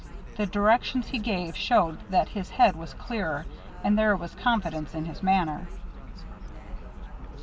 The directions he gave showed that his head was clearer; and there was confidence in his manner.